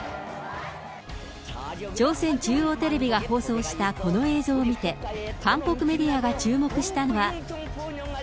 朝鮮中央テレビが放送したこの映像を見て、韓国メディアが注目したのは。